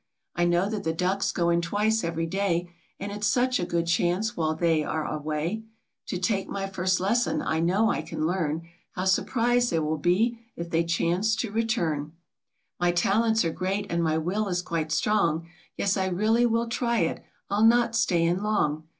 I know that the ducks go in twice every day, And it's such a good chance, while they all are away, To take my first lesson ; I know I can learn ; IIow surprised they will he if they chance to return. 96 KING WILL. My talents are great, and my will is quite strong; Yes, I really will try it; I'll not stay in long.